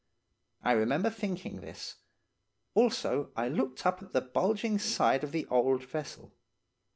I remember thinking this, also as I looked up at the bulging side of the old vessel.